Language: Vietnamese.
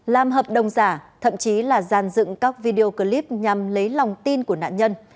làm hợp đồng giả thậm chí là giàn dựng các video clip nhằm lấy lòng tin của nạn nhân